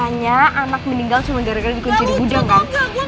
ceritanya anak meninggal langsung gara gara dikunci di budang gak